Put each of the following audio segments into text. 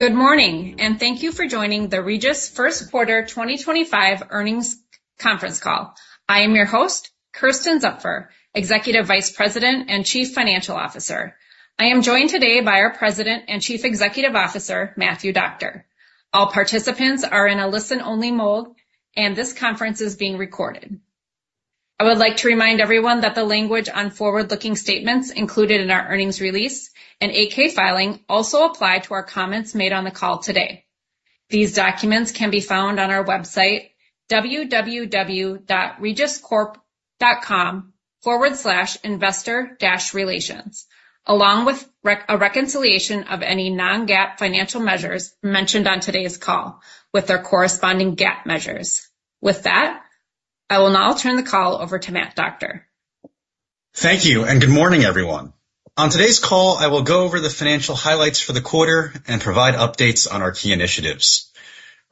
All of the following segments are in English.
Good morning, and thank you for joining the Regis First Quarter 2025 Earnings Conference Call. I am your host, Kersten Zupfer, Executive Vice President and Chief Financial Officer. I am joined today by our President and Chief Executive Officer, Matthew Doctor. All participants are in a listen-only mode, and this conference is being recorded. I would like to remind everyone that the language on forward-looking statements included in our earnings release and 8-K filing also apply to our comments made on the call today. These documents can be found on our website, www.regiscorp.com/investor-relations, along with a reconciliation of any non-GAAP financial measures mentioned on today's call with their corresponding GAAP measures. With that, I will now turn the call over to Matt Doctor. Thank you, and good morning, everyone. On today's call, I will go over the financial highlights for the quarter and provide updates on our key initiatives.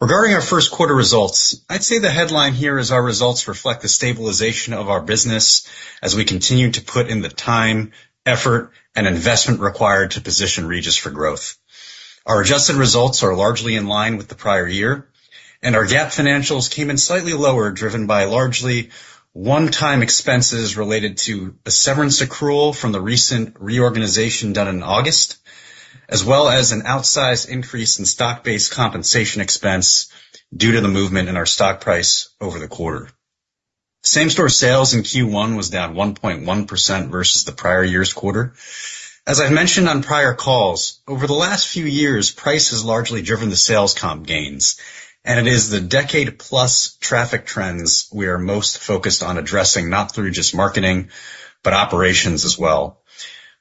Regarding our first quarter results, I'd say the headline here is our results reflect the stabilization of our business as we continue to put in the time, effort, and investment required to position Regis for growth. Our adjusted results are largely in line with the prior year, and our GAAP financials came in slightly lower, driven by largely one-time expenses related to a severance accrual from the recent reorganization done in August, as well as an outsized increase in stock-based compensation expense due to the movement in our stock price over the quarter. Same-store sales in Q1 was down 1.1% versus the prior year's quarter. As I've mentioned on prior calls, over the last few years, price has largely driven the sales comp gains, and it is the decade-plus traffic trends we are most focused on addressing, not through just marketing, but operations as well.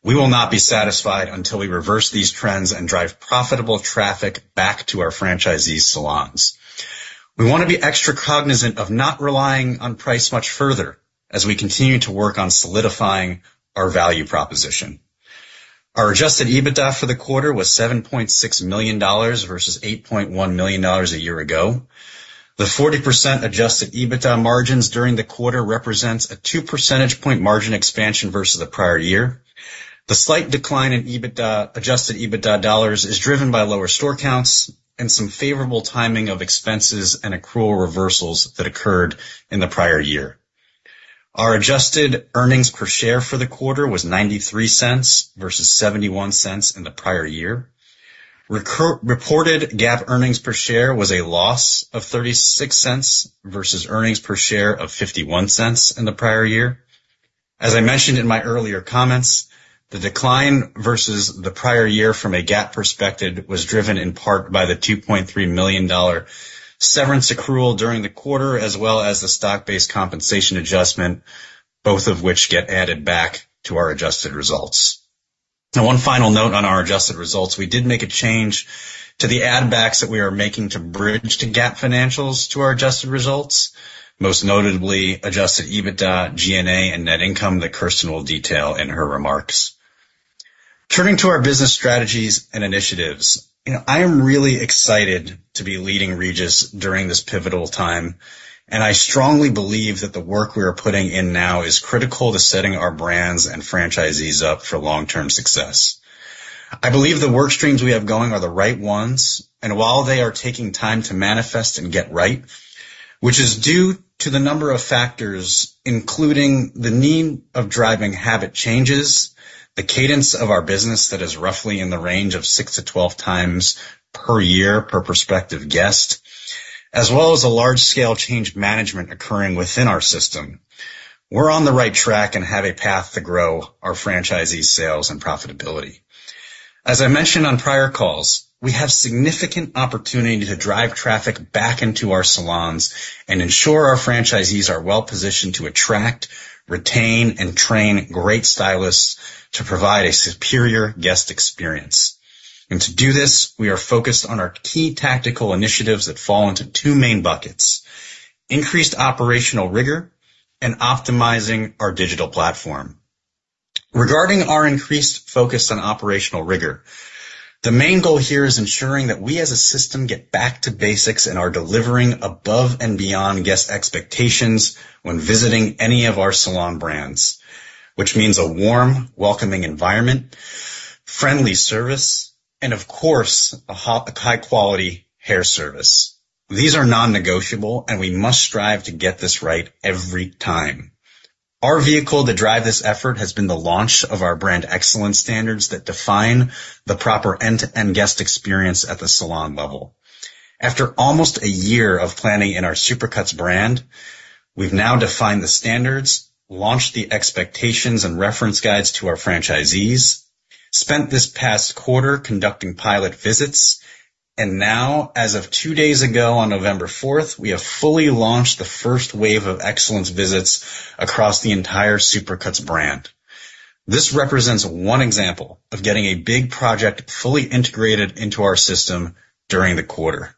We will not be satisfied until we reverse these trends and drive profitable traffic back to our franchisee salons. We want to be extra cognizant of not relying on price much further as we continue to work on solidifying our value proposition. Our Adjusted EBITDA for the quarter was $7.6 million versus $8.1 million a year ago. The 40% Adjusted EBITDA margins during the quarter represent a 2 percentage point margin expansion versus the prior year. The slight decline in adjusted EBITDA dollars is driven by lower store counts and some favorable timing of expenses and accrual reversals that occurred in the prior year. Our adjusted earnings per share for the quarter was $0.93 versus $0.71 in the prior year. Reported GAAP earnings per share was a loss of $0.36 versus earnings per share of $0.51 in the prior year. As I mentioned in my earlier comments, the decline versus the prior year from a GAAP perspective was driven in part by the $2.3 million severance accrual during the quarter, as well as the stock-based compensation adjustment, both of which get added back to our adjusted results. Now, one final note on our adjusted results, we did make a change to the add-backs that we are making to bridge the GAAP financials to our adjusted results, most notably adjusted EBITDA, G&A, and net income that Kersten will detail in her remarks. Turning to our business strategies and initiatives, I am really excited to be leading Regis during this pivotal time, and I strongly believe that the work we are putting in now is critical to setting our brands and franchisees up for long-term success. I believe the work streams we have going are the right ones, and while they are taking time to manifest and get right, which is due to the number of factors, including the need of driving habit changes, the cadence of our business that is roughly in the range of six to 12 times per year per prospective guest, as well as a large-scale change management occurring within our system, we're on the right track and have a path to grow our franchisee sales and profitability. As I mentioned on prior calls, we have significant opportunity to drive traffic back into our salons and ensure our franchisees are well-positioned to attract, retain, and train great stylists to provide a superior guest experience. And to do this, we are focused on our key tactical initiatives that fall into two main buckets: increased operational rigor and optimizing our digital platform. Regarding our increased focus on operational rigor, the main goal here is ensuring that we as a system get back to basics and are delivering above and beyond guest expectations when visiting any of our salon brands, which means a warm, welcoming environment, friendly service, and of course, a high-quality hair service. These are non-negotiable, and we must strive to get this right every time. Our vehicle to drive this effort has been the launch of our brand excellence standards that define the proper end-to-end guest experience at the salon level. After almost a year of planning in our Supercuts brand, we've now defined the standards, launched the expectations and reference guides to our franchisees, spent this past quarter conducting pilot visits, and now, as of two days ago on November 4th, we have fully launched the first wave of excellence visits across the entire Supercuts brand. This represents one example of getting a big project fully integrated into our system during the quarter.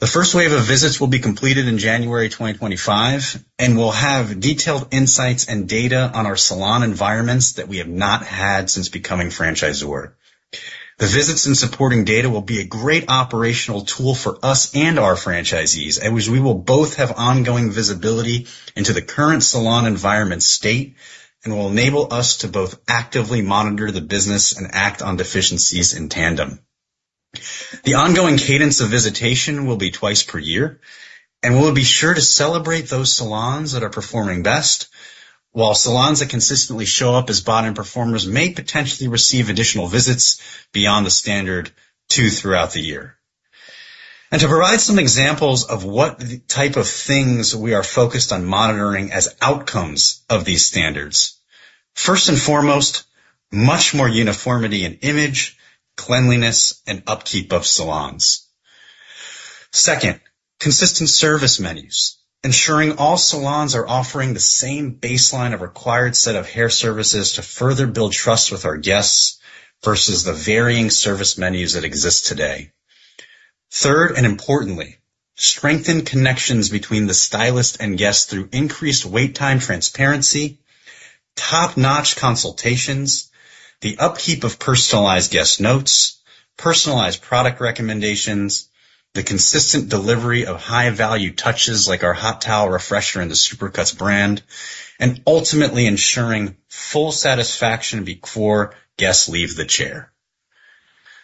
The first wave of visits will be completed in January 2025, and we'll have detailed insights and data on our salon environments that we have not had since becoming franchisor. The visits and supporting data will be a great operational tool for us and our franchisees, as we will both have ongoing visibility into the current salon environment state and will enable us to both actively monitor the business and act on deficiencies in tandem. The ongoing cadence of visitation will be twice per year, and we'll be sure to celebrate those salons that are performing best, while salons that consistently show up as bottom performers may potentially receive additional visits beyond the standard two throughout the year, and to provide some examples of what type of things we are focused on monitoring as outcomes of these standards, first and foremost, much more uniformity in image, cleanliness, and upkeep of salons. Second, consistent service menus, ensuring all salons are offering the same baseline of required set of hair services to further build trust with our guests versus the varying service menus that exist today. Third, and importantly, strengthen connections between the stylist and guests through increased wait time transparency, top-notch consultations, the upkeep of personalized guest notes, personalized product recommendations, the consistent delivery of high-value touches like our Hot Towel Refresher in the Supercuts brand, and ultimately ensuring full satisfaction before guests leave the chair.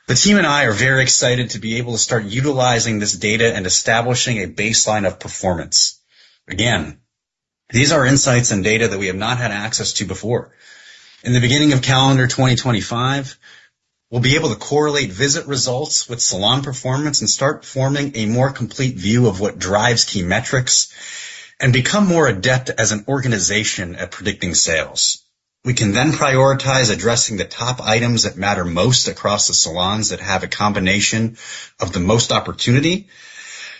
The team and I are very excited to be able to start utilizing this data and establishing a baseline of performance. Again, these are insights and data that we have not had access to before. In the beginning of calendar 2025, we'll be able to correlate visit results with salon performance and start forming a more complete view of what drives key metrics and become more adept as an organization at predicting sales. We can then prioritize addressing the top items that matter most across the salons that have a combination of the most opportunity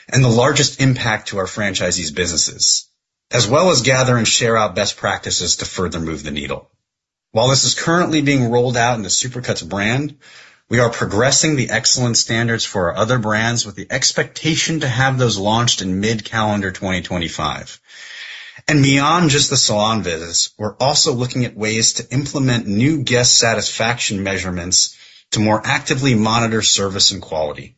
and the largest impact to our franchisee's businesses, as well as gather and share out best practices to further move the needle. While this is currently being rolled out in the Supercuts brand, we are progressing the excellence standards for our other brands with the expectation to have those launched in mid-calendar 2025, and beyond just the salon visits, we're also looking at ways to implement new guest satisfaction measurements to more actively monitor service and quality.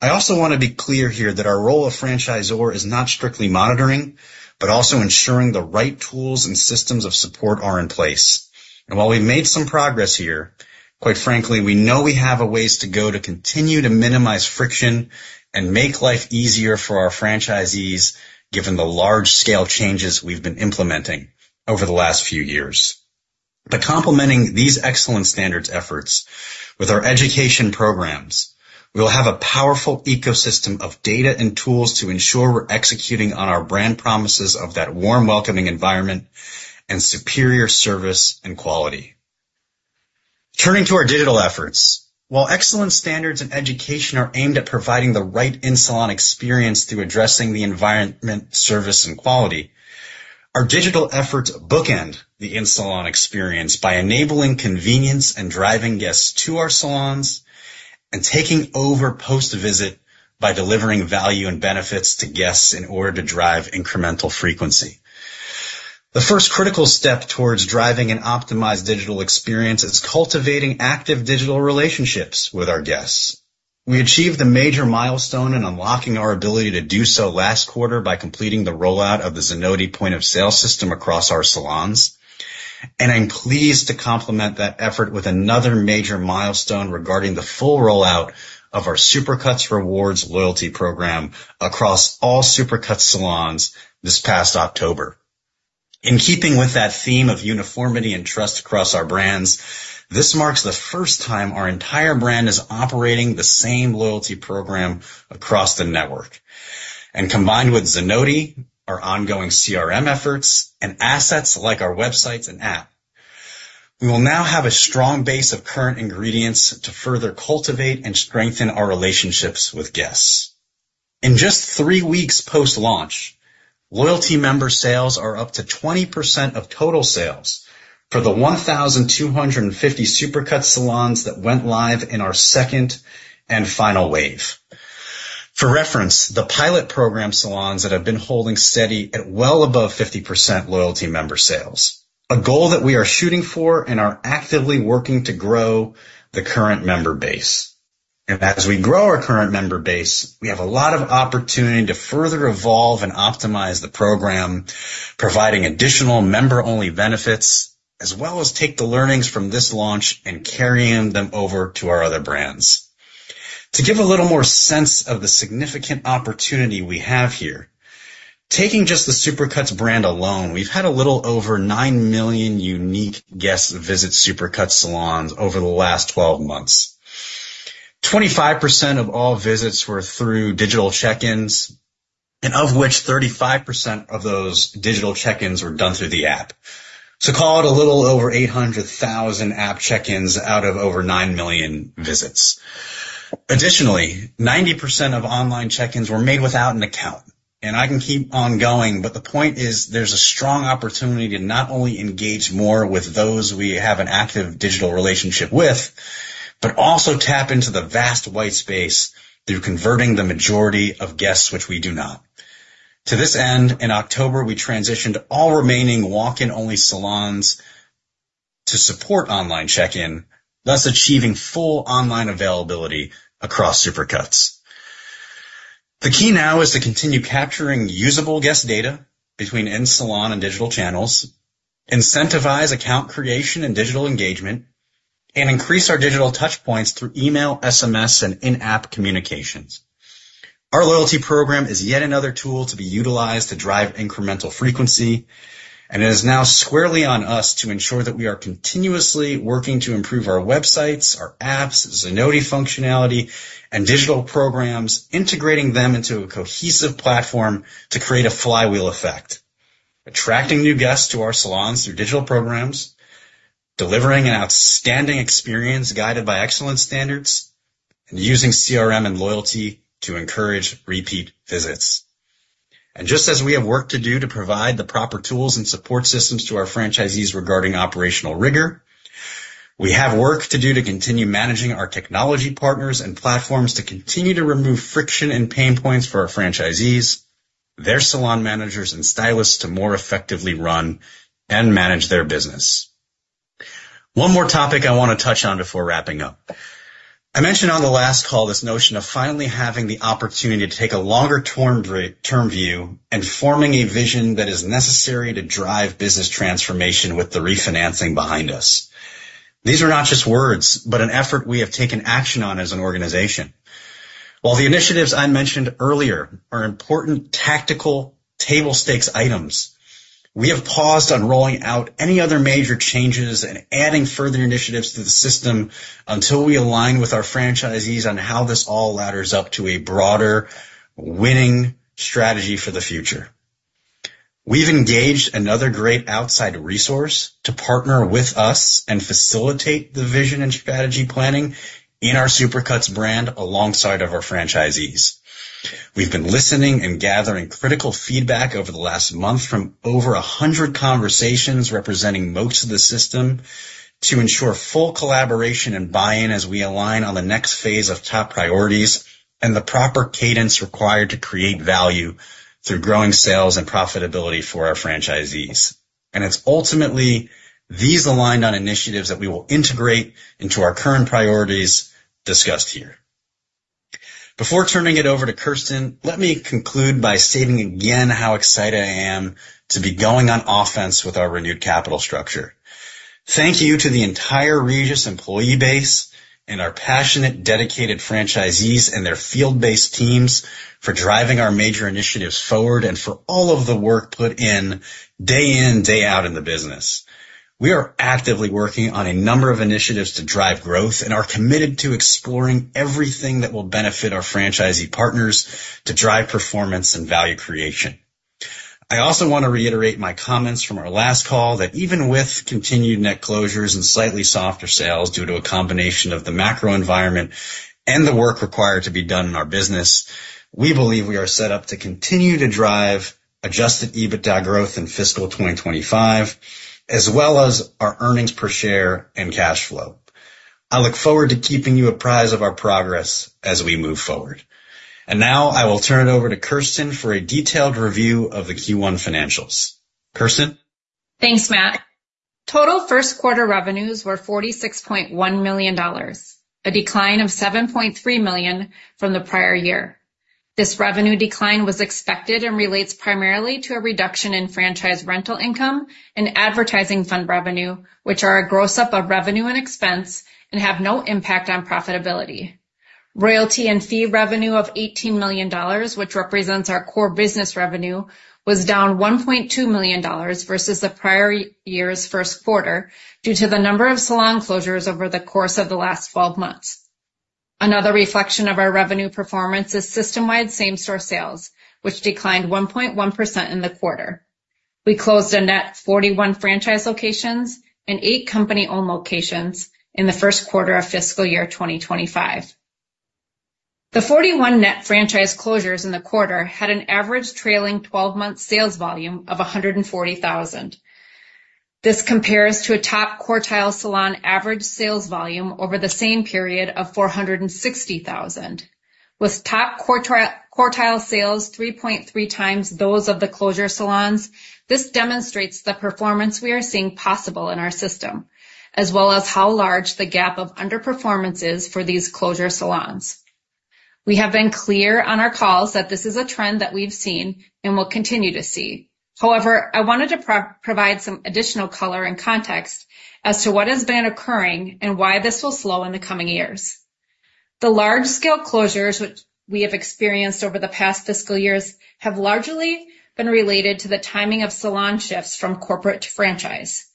I also want to be clear here that our role of franchisor is not strictly monitoring, but also ensuring the right tools and systems of support are in place, and while we've made some progress here, quite frankly, we know we have a ways to go to continue to minimize friction and make life easier for our franchisees given the large-scale changes we've been implementing over the last few years. By complementing these excellence standards efforts with our education programs, we'll have a powerful ecosystem of data and tools to ensure we're executing on our brand promises of that warm, welcoming environment and superior service and quality. Turning to our digital efforts, while excellence standards and education are aimed at providing the right in-salon experience through addressing the environment, service, and quality, our digital efforts bookend the in-salon experience by enabling convenience and driving guests to our salons and taking over post-visit by delivering value and benefits to guests in order to drive incremental frequency. The first critical step towards driving an optimized digital experience is cultivating active digital relationships with our guests. We achieved the major milestone in unlocking our ability to do so last quarter by completing the rollout of the Zenoti point-of-sale system across our salons, and I'm pleased to complement that effort with another major milestone regarding the full rollout of our Supercuts Rewards loyalty program across all Supercuts salons this past October. In keeping with that theme of uniformity and trust across our brands, this marks the first time our entire brand is operating the same loyalty program across the network. And combined with Zenoti, our ongoing CRM efforts, and assets like our websites and app, we will now have a strong base of current ingredients to further cultivate and strengthen our relationships with guests. In just three weeks post-launch, loyalty member sales are up to 20% of total sales for the 1,250 Supercuts salons that went live in our second and final wave. For reference, the pilot program salons that have been holding steady at well above 50% loyalty member sales, a goal that we are shooting for and are actively working to grow the current member base. As we grow our current member base, we have a lot of opportunity to further evolve and optimize the program, providing additional member-only benefits, as well as take the learnings from this launch and carrying them over to our other brands. To give a little more sense of the significant opportunity we have here, taking just the Supercuts brand alone, we've had a little over nine million unique guests visit Supercuts salons over the last 12 months. 25% of all visits were through digital check-ins, and of which 35% of those digital check-ins were done through the app. Call it a little over 800,000 app check-ins out of over nine million visits. Additionally, 90% of online check-ins were made without an account. And I can keep on going, but the point is there's a strong opportunity to not only engage more with those we have an active digital relationship with, but also tap into the vast white space through converting the majority of guests, which we do not. To this end, in October, we transitioned all remaining walk-in-only salons to support online check-in, thus achieving full online availability across Supercuts. The key now is to continue capturing usable guest data between in-salon and digital channels, incentivize account creation and digital engagement, and increase our digital touchpoints through email, SMS, and in-app communications. Our loyalty program is yet another tool to be utilized to drive incremental frequency, and it is now squarely on us to ensure that we are continuously working to improve our websites, our apps, Zenoti functionality, and digital programs, integrating them into a cohesive platform to create a flywheel effect, attracting new guests to our salons through digital programs, delivering an outstanding experience guided by excellence standards, and using CRM and loyalty to encourage repeat visits, and just as we have work to do to provide the proper tools and support systems to our franchisees regarding operational rigor, we have work to do to continue managing our technology partners and platforms to continue to remove friction and pain points for our franchisees, their salon managers, and stylists to more effectively run and manage their business. One more topic I want to touch on before wrapping up. I mentioned on the last call this notion of finally having the opportunity to take a longer-term view and forming a vision that is necessary to drive business transformation with the refinancing behind us. These are not just words, but an effort we have taken action on as an organization. While the initiatives I mentioned earlier are important tactical table stakes items, we have paused on rolling out any other major changes and adding further initiatives to the system until we align with our franchisees on how this all ladders up to a broader winning strategy for the future. We've engaged another great outside resource to partner with us and facilitate the vision and strategy planning in our Supercuts brand alongside of our franchisees. We've been listening and gathering critical feedback over the last month from over 100 conversations representing most of the system to ensure full collaboration and buy-in as we align on the next phase of top priorities and the proper cadence required to create value through growing sales and profitability for our franchisees. And it's ultimately these aligned on initiatives that we will integrate into our current priorities discussed here. Before turning it over to Kersten, let me conclude by stating again how excited I am to be going on offense with our renewed capital structure. Thank you to the entire Regis employee base and our passionate, dedicated franchisees and their field-based teams for driving our major initiatives forward and for all of the work put in day in, day out in the business. We are actively working on a number of initiatives to drive growth and are committed to exploring everything that will benefit our franchisee partners to drive performance and value creation. I also want to reiterate my comments from our last call that even with continued net closures and slightly softer sales due to a combination of the macro environment and the work required to be done in our business, we believe we are set up to continue to drive Adjusted EBITDA growth in fiscal 2025, as well as our earnings per share and cash flow. I look forward to keeping you apprised of our progress as we move forward. Now I will turn it over to Kersten for a detailed review of the Q1 financials. Kersten? Thanks, Matt. Total first quarter revenues were $46.1 million, a decline of $7.3 million from the prior year. This revenue decline was expected and relates primarily to a reduction in franchise rental income and advertising fund revenue, which are a gross-up of revenue and expense and have no impact on profitability. Royalty and fee revenue of $18 million, which represents our core business revenue, was down $1.2 million versus the prior year's first quarter due to the number of salon closures over the course of the last 12 months. Another reflection of our revenue performance is system-wide same-store sales, which declined 1.1% in the quarter. We closed a net 41 franchise locations and 8 company-owned locations in the first quarter of fiscal year 2025. The 41 net franchise closures in the quarter had an average trailing 12-month sales volume of 140,000. This compares to a top quartile salon average sales volume over the same period of 460,000. With top quartile sales 3.3x those of the closure salons, this demonstrates the performance we are seeing possible in our system, as well as how large the gap of underperformance is for these closure salons. We have been clear on our calls that this is a trend that we've seen and will continue to see. However, I wanted to provide some additional color and context as to what has been occurring and why this will slow in the coming years. The large-scale closures which we have experienced over the past fiscal years have largely been related to the timing of salon shifts from corporate to franchise.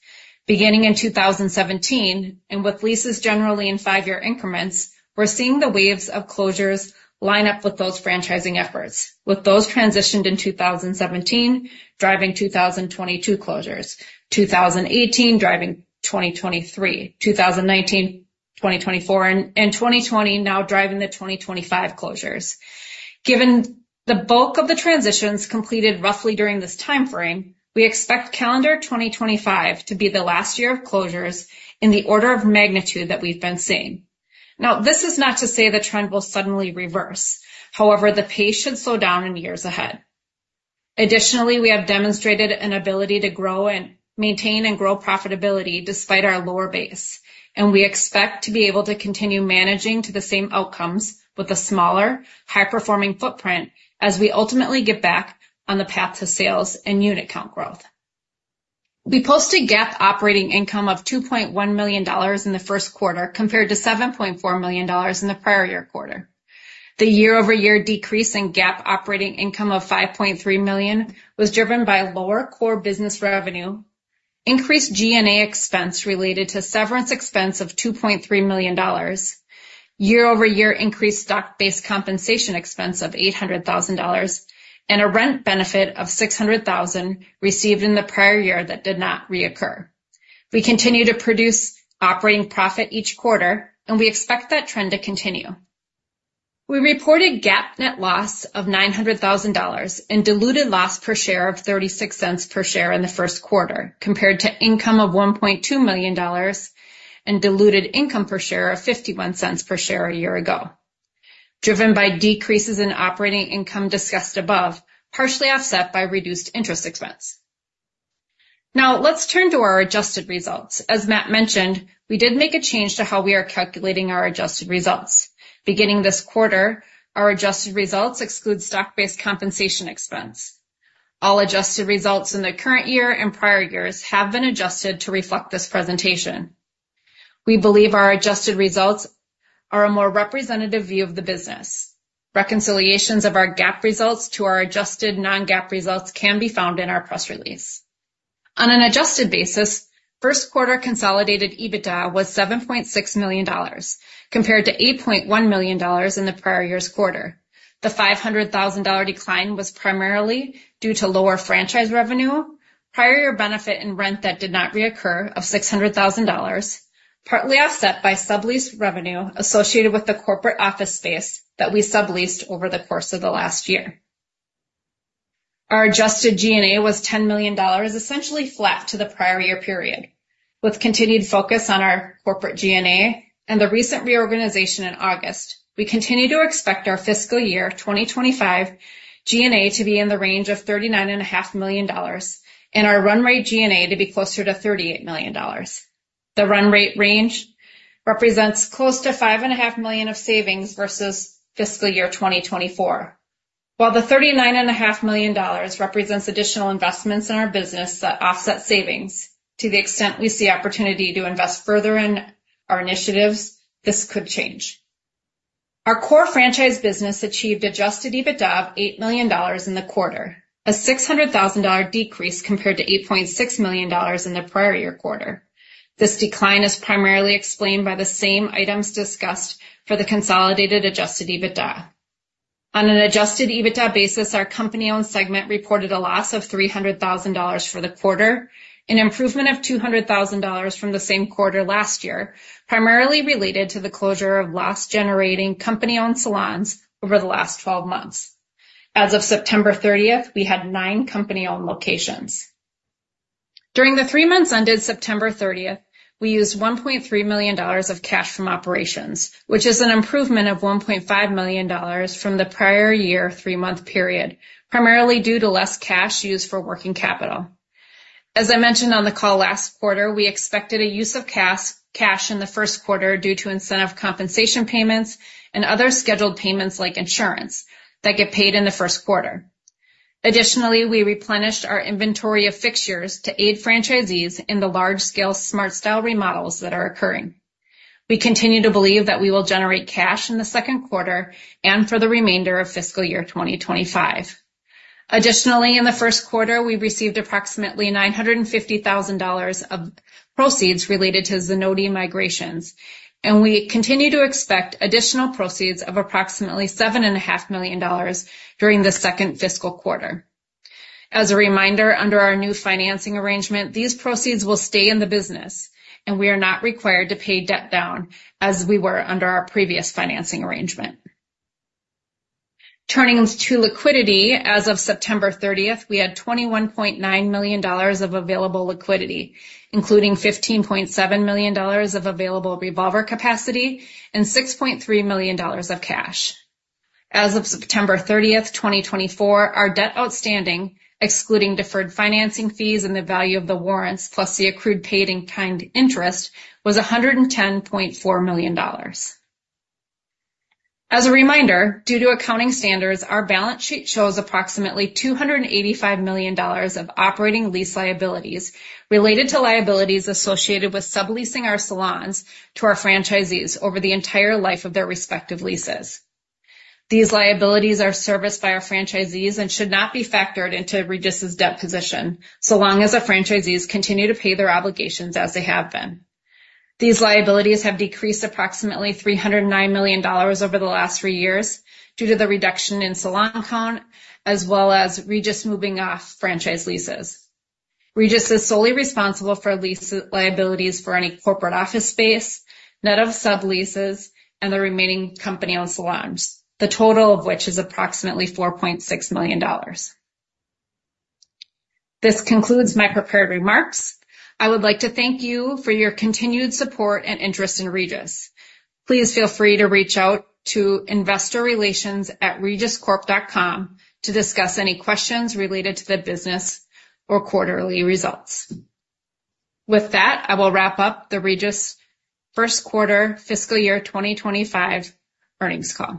Beginning in 2017, and with leases generally in five-year increments, we're seeing the waves of closures line up with those franchising efforts, with those transitioned in 2017 driving 2022 closures, 2018 driving 2023, 2019, 2024, and 2020 now driving the 2025 closures. Given the bulk of the transitions completed roughly during this timeframe, we expect calendar 2025 to be the last year of closures in the order of magnitude that we've been seeing. Now, this is not to say the trend will suddenly reverse. However, the pace should slow down in years ahead. Additionally, we have demonstrated an ability to grow and maintain and grow profitability despite our lower base, and we expect to be able to continue managing to the same outcomes with a smaller, high-performing footprint as we ultimately get back on the path to sales and unit count growth. We posted GAAP operating income of $2.1 million in the first quarter compared to $7.4 million in the prior year quarter. The year-over-year decrease in GAAP operating income of $5.3 million was driven by lower core business revenue, increased G&A expense related to severance expense of $2.3 million, year-over-year increased stock-based compensation expense of $800,000, and a rent benefit of $600,000 received in the prior year that did not reoccur. We continue to produce operating profit each quarter, and we expect that trend to continue. We reported GAAP net loss of $900,000 and diluted loss per share of $0.36 per share in the first quarter compared to income of $1.2 million and diluted income per share of $0.51 per share a year ago, driven by decreases in operating income discussed above, partially offset by reduced interest expense. Now, let's turn to our adjusted results. As Matt mentioned, we did make a change to how we are calculating our adjusted results. Beginning this quarter, our adjusted results exclude stock-based compensation expense. All adjusted results in the current year and prior years have been adjusted to reflect this presentation. We believe our adjusted results are a more representative view of the business. Reconciliations of our GAAP results to our adjusted non-GAAP results can be found in our press release. On an adjusted basis, first quarter consolidated EBITDA was $7.6 million compared to $8.1 million in the prior year's quarter. The $500,000 decline was primarily due to lower franchise revenue, prior year benefit, and rent that did not reoccur of $600,000, partly offset by sublease revenue associated with the corporate office space that we subleased over the course of the last year. Our adjusted G&A was $10 million, essentially flat to the prior year period. With continued focus on our corporate G&A and the recent reorganization in August, we continue to expect our fiscal year 2025 G&A to be in the range of $39.5 million and our run rate G&A to be closer to $38 million. The run rate range represents close to $5.5 million of savings versus fiscal year 2024. While the $39.5 million represents additional investments in our business that offset savings, to the extent we see opportunity to invest further in our initiatives, this could change. Our core franchise business achieved Adjusted EBITDA of $8 million in the quarter, a $600,000 decrease compared to $8.6 million in the prior year quarter. This decline is primarily explained by the same items discussed for the consolidated Adjusted EBITDA. On an Adjusted EBITDA basis, our company-owned segment reported a loss of $300,000 for the quarter, an improvement of $200,000 from the same quarter last year, primarily related to the closure of loss-generating company-owned salons over the last 12 months. As of September 30th, we had nine company-owned locations. During the three months ended September 30th, we used $1.3 million of cash from operations, which is an improvement of $1.5 million from the prior year three-month period, primarily due to less cash used for working capital. As I mentioned on the call last quarter, we expected a use of cash in the first quarter due to incentive compensation payments and other scheduled payments like insurance that get paid in the first quarter. Additionally, we replenished our inventory of fixtures to aid franchisees in the large-scale SmartStyle remodels that are occurring. We continue to believe that we will generate cash in the second quarter and for the remainder of fiscal year 2025. Additionally, in the first quarter, we received approximately $950,000 of proceeds related to Zenoti migrations, and we continue to expect additional proceeds of approximately $7.5 million during the second fiscal quarter. As a reminder, under our new financing arrangement, these proceeds will stay in the business, and we are not required to pay debt down as we were under our previous financing arrangement. Turning to liquidity, as of September 30th, we had $21.9 million of available liquidity, including $15.7 million of available revolver capacity and $6.3 million of cash. As of September 30th, 2024, our debt outstanding, excluding deferred financing fees and the value of the warrants plus the accrued paid-in kind interest, was $110.4 million. As a reminder, due to accounting standards, our balance sheet shows approximately $285 million of operating lease liabilities related to liabilities associated with subleasing our salons to our franchisees over the entire life of their respective leases. These liabilities are serviced by our franchisees and should not be factored into Regis's debt position so long as our franchisees continue to pay their obligations as they have been. These liabilities have decreased approximately $309 million over the last three years due to the reduction in salon count as well as Regis moving off franchise leases. Regis is solely responsible for lease liabilities for any corporate office space, net of subleases, and the remaining company-owned salons, the total of which is approximately $4.6 million. This concludes my prepared remarks. I would like to thank you for your continued support and interest in Regis. Please feel free to reach out to investorrelations@regiscorp.com to discuss any questions related to the business or quarterly results. With that, I will wrap up the Regis first quarter fiscal year 2025 earnings call.